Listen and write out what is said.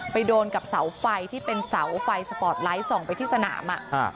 โดนกับเสาไฟที่เป็นเสาไฟสปอร์ตไลท์ส่องไปที่สนาม